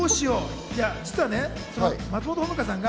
実は松本穂香さんが